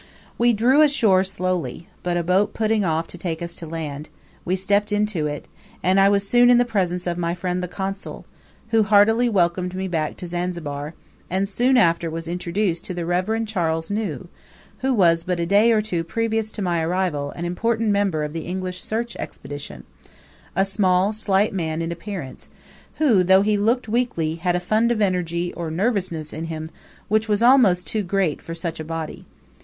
We drew ashore slowly; but a boat putting off to take us to land, we stepped into it, and I was soon in presence of my friend the Consul, who heartily welcomed me back to Zanzibar; and soon after was introduced to the Rev. Charles New, who was but a day or two previous to my arrival an important member of the English Search Expedition a small, slight man in appearance, who, though he looked weakly, had a fund of energy or nervousness in him which was almost too great for such a body.